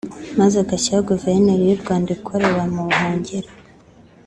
maze agashyiraho Guverinoma y’u Rwanda ikorera mu buhungiro